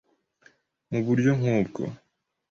” Mu buryo nk’ubwo,